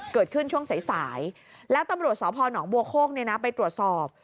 เกิดขึ้นช่วงสายแล้วตำรวจสอบพหนองบัวโค้กไปตรวจสอบ